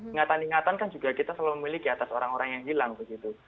ingatan ingatan kan juga kita selalu memiliki atas orang orang yang hilang begitu